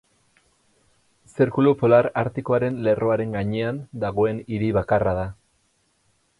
Zirkulu Polar Artikoaren lerroaren gainean dagoen hiri bakarra da.